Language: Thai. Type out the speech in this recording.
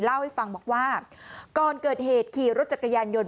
เล่าให้ฟังบอกว่าก่อนเกิดเหตุขี่รถจักรยานยนต